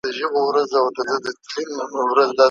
كوم حميد به خط و خال كاغذ ته يوسي